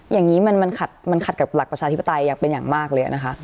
อย่างนี้มันขัดกับหลักประชาธิปไตยอย่างเป็นอย่างมากเลยนะคะ